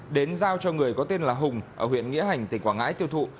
đến giao cho người có tên là hùng ở huyện nghĩa hành tỉnh quảng ngãi tiêu thụ